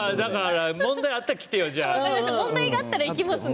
問題があったら行きますね。